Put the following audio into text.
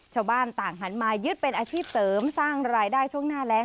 ชาวบ้านต่างหันมายึดเป็นอาชีพเสริมสร้างรายได้ช่วงหน้าแรง